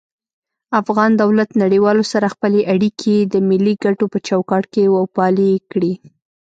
افغان دولت نړيوالو سره خپلی اړيکي د ملي کټو په چوکاټ کي وپالی کړي